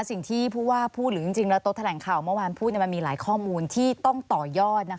สิ่งที่พูดหรือจริงมันมีหลายข้อมูลที่สามารถต่อยอด